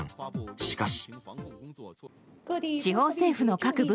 しかし。